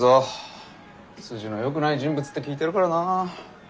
筋のよくない人物って聞いてるからな。